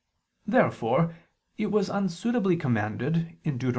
Therefore it was unsuitably commanded (Deut.